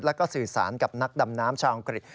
แล้วก็สื่อสารกับนักดำน้ำชาวอังกฤษ